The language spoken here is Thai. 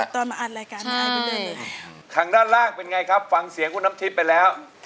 ท่านบ้านด้านล่างเป็นไงครับฟังเสียคุณเจ็บไปแล้ว